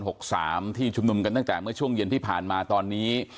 ที่ชุมนุมกันตั้งแต่เมื่อช่วงเย็นที่ผ่านมาตอนนี้